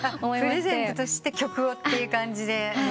プレゼントとして曲をって感じで思って？